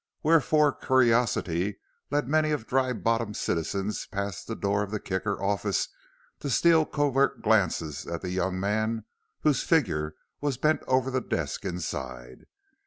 Wherefore curiosity led many of Dry Bottom's citizens past the door of the Kicker office to steal covert glances at the young man whose figure was bent over the desk inside.